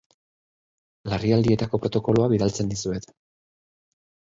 Larrialdietako protokoloa bidaltzen dizuet.